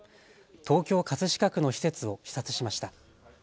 東京葛飾区の施設を視察しました。